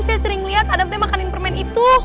saya sering liat adam tuh makanin permen itu